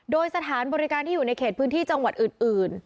โดยสถานบริการที่อยู่ในเขตพื้นที่จังหวัดอื่น